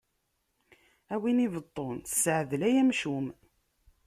A win ibeṭṭun, ssaɛdel ay amcum!